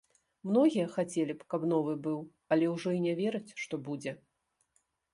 Многія, хацелі б, каб новы быў, але ўжо і не вераць, што будзе.